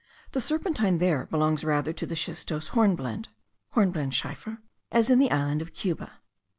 The serpentine there belongs rather to the schistose hornblende (hornblendschiefer), as in the island of Cuba.